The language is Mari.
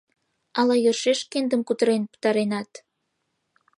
Ала йӧршеш шкендым кутырен пытаренат?